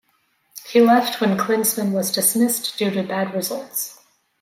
He left when Klinsmann was dismissed due to bad results.